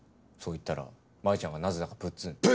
そう言ったら真衣ちゃんがなぜだかプッツン。